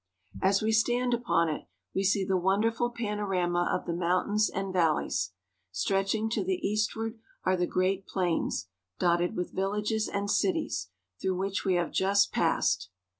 As we stand upon it, we see the wonderful panorama of the mountains and valleys. Stretching to the eastward are the great plains, dotted with villages and cities, through which we have just passed.